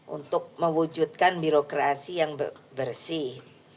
untuk mewujudkan birokrasi yang bersih